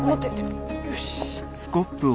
よし。